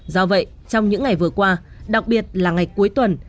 do vậy trong những ngày vừa qua đặc biệt là ngày cuối tuần